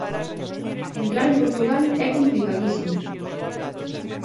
Entrar en Portugal é complicadísimo.